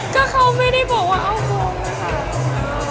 ก็เขาไม่ได้บอกว่าเอาของค่ะ